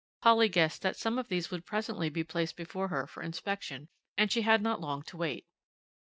Polly guessed that some of these would presently be placed before her for inspection and she had not long to wait.